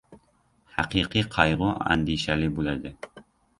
Haqiqiy qayg‘u andishali bo‘ladi.